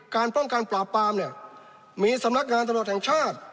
การป้องกันปราบปรามเนี่ยมีสำนักงานตำรวจแห่งชาติ